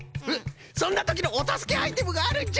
そんなときのおたすけアイテムがあるんじゃ！